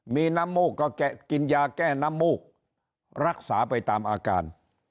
มีน้ำมูกก็กินยาแก้น้ำมูกรักษาไปตามอาการ